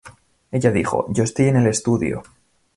Ella dijo: "Yo estoy en el estudio.